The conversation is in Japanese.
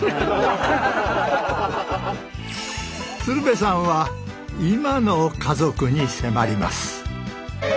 鶴瓶さんはいまの家族に迫ります